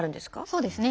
そうですね。